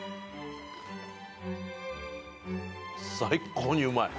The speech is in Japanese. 最高にうまい。